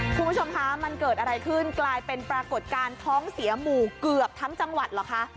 คุณผู้ชมคะมันเกิดอะไรขึ้นกลายเป็นปรากฏการณ์ท้องเสียหมู่เกือบทั้งจังหวัดเหรอคะ